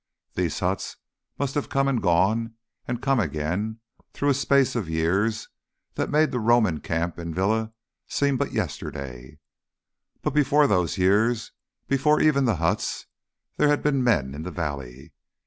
These huts must have come and gone and come again through a space of years that made the Roman camp and villa seem but yesterday; and before those years, before even the huts, there had been men in the valley.